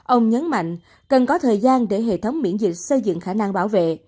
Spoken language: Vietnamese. ông nhấn mạnh cần có thời gian để hệ thống miễn dịch xây dựng khả năng bảo vệ